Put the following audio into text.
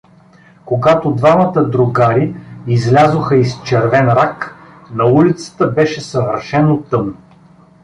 Когато двамата другари излязоха из „Червен рак“, на улицата беше съвършено тъмно.